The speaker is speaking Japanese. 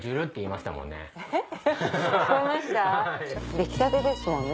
出来たてですもんね